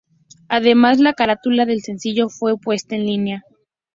Además la carátula del sencillo fue puesta en línea.